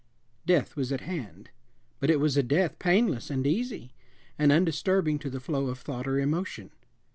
Death was at hand; but it was a death painless and easy, and undisturbing to the flow of thought or emotion.